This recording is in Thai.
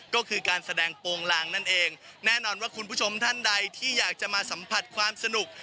ก็คือการแสดงโปรงลางนั่นเองแน่นอนว่าคุณผู้ชมท่านใดที่อยากจะมาสัมผัสความสนุก